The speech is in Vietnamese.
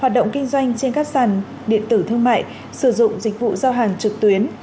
hoạt động kinh doanh trên các sàn điện tử thương mại sử dụng dịch vụ giao hàng trực tuyến